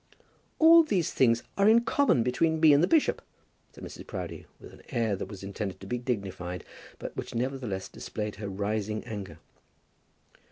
"All these things are in common between me and the bishop," said Mrs. Proudie, with an air that was intended to be dignified, but which nevertheless displayed her rising anger.